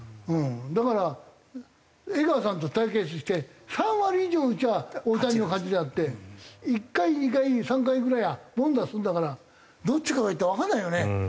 だから江川さんと対決して３割以上打ちゃあ大谷の勝ちであって１回２回３回ぐらいは凡打するんだからどっちかがってわかんないよね。